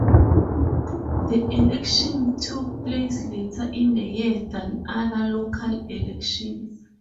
The elections took place later in the year than other local elections.